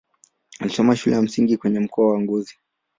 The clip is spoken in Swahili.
Alisoma shule ya msingi kwenye mkoa wa Ngozi.